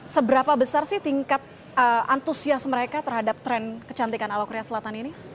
seberapa besar sih tingkat antusias mereka terhadap tren kecantikan ala korea selatan ini